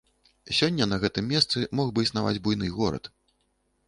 Сёння на гэтым месцы мог бы існаваць буйны горад.